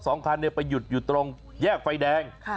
สองคันเนี่ยไปหยุดตรงยากไฟแดง